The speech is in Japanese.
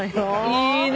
いいね。